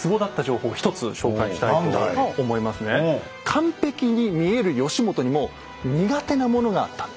完璧に見える義元にも苦手なものがあったんです。